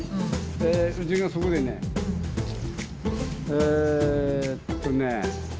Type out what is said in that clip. ええうちがそこでねえっとね